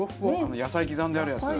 野菜刻んであるやつ。